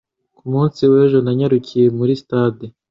Ku munsi w'ejo nanyarukiye muri stade